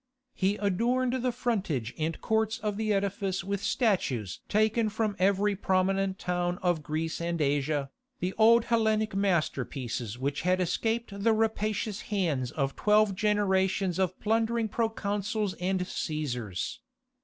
He adorned the frontage and courts of the edifice with statues taken from every prominent town of Greece and Asia, the old Hellenic masterpieces which had escaped the rapacious hands of twelve generations of plundering proconsuls and Cæsars.